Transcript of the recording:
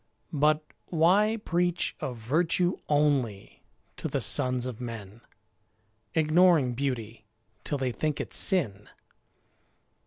But why preach Of virtue only to the sons of men, Ignoring beauty, till they think it sin?